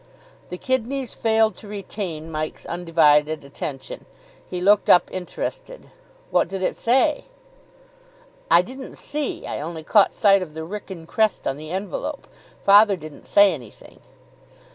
The kidneys failed to retain Mike's undivided attention. He looked up interested. "What did it say?" "I didn't see I only caught sight of the Wrykyn crest on the envelope. Father didn't say anything."